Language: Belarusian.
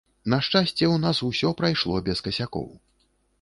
На шчасце, у нас усё прайшло без касякоў.